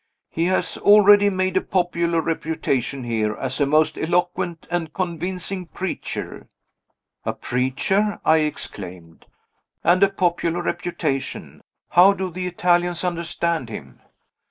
He has already made a popular reputation here, as a most eloquent and convincing preacher " "A preacher!" I exclaimed. "And a popular reputation! How do the Italians understand him?"